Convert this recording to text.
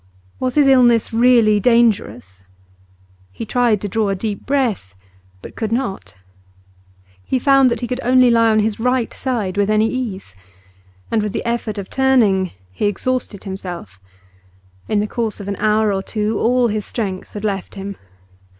Was his illness really dangerous? He tried to draw a deep breath, but could not. He found that he could only lie on his right side with any ease. And with the effort of turning he exhausted himself; in the course of an hour or two all his strength had left him.